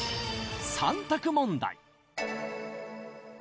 ３択問題